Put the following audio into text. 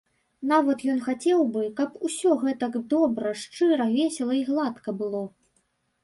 Нават ён хацеў бы, каб усё гэтак добра, шчыра, весела і гладка было.